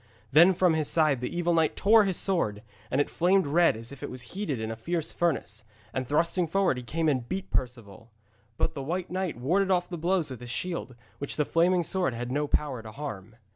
Then from his side the evil knight tore his sword, and it flamed red as if it was heated in a fierce furnace, and thrusting forward he came and beat at Perceval. But the White Knight warded off the blows with his shield, which the flaming sword had no power to harm.